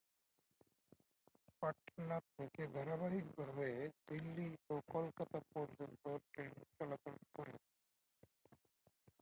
পাটনা থেকে ধারাবাহিক ভাবে দিল্লি ও কলকাতা পর্যন্ত ট্রেন চলাচল করে।